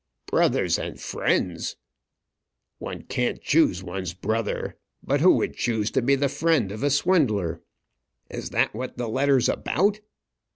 "Brothers and friends! One can't choose one's brother; but who would choose to be the friend of a swindler? Is that what the letter is about?"